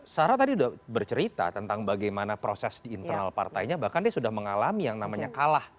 sarah tadi sudah bercerita tentang bagaimana proses di internal partainya bahkan dia sudah mengalami yang namanya kalah